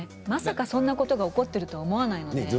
まさか、そんなことが起こっているとは思わないので。